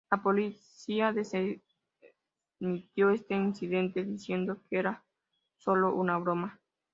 La Policía desestimó este incidente diciendo que era sólo una broma.